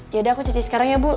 yaudah aku cuci sekarang ya ibu